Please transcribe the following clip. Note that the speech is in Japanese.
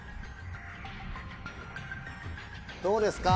どうですか？